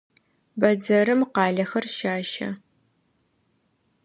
Бэдзэрым къалэхэр щащэ.